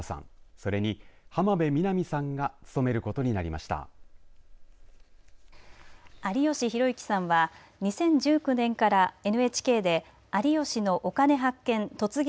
それに浜辺美波さんが有吉弘行さんは２０１９年からＮＨＫで有吉のお金発見突撃！